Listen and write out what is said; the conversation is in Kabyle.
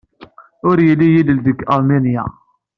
Ur yelli yilel deg Aṛminya.